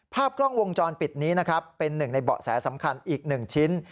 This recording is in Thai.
ภาพกล้องวงจรปิดนี้นะครับเป็นหนึ่งในเบาะแสสำคัญอีก๑ชิ้น